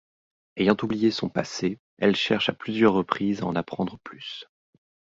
Ayant oublié son passé, elle cherche à plusieurs reprises à en apprendre plus.